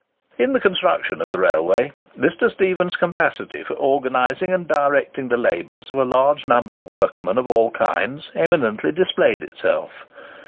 In the construction of the railway, Mr. Stephenson's capacity for organising and directing the labours of a large number of workmen of all kinds eminently displayed itself.